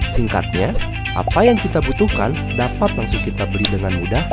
singkatnya apa yang kita butuhkan dapat langsung kita beli dengan mudah